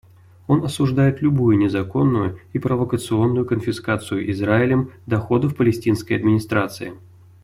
Он осуждает любую незаконную и провокационную конфискацию Израилем доходов Палестинской администрации.